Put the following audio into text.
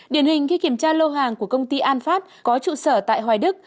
điển hình khi kiểm tra lô hàng của công ty an phát có trụ sở tại hoài đức